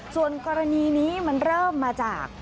ส่วนกรณีนี้มันเริ่มมาจาก